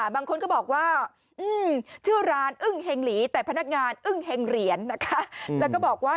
บางคนบอกว่าเสื่อร้านอึ้งเห็งหรีแต่ภนักงานอึ้งเห็งเหรียดี